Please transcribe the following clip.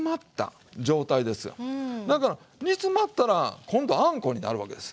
だから煮詰まったら今度あんこになるわけです。